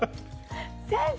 先生